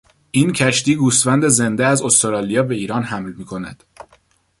این کشتی گوسفند زنده از استرالیا به ایران حمل میکند.